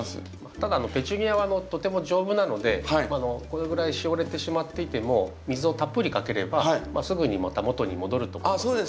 ただペチュニアはとても丈夫なのでこれぐらいしおれてしまっていても水をたっぷりかければすぐにまた元に戻ると思いますので。